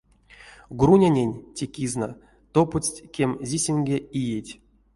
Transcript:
Грунянень те кизна топодсть кемзисемге иеть.